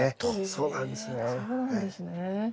そうなんですね。